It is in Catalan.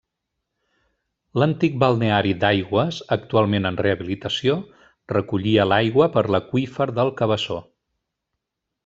L'antic balneari d'Aigües, actualment en rehabilitació, recollia l'aigua per l'aqüífer del Cabeçó.